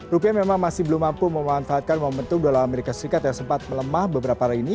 rupiah memang masih belum mampu memanfaatkan momentum dolar amerika serikat yang sempat melemah beberapa hari ini